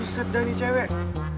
buset dah nih cewek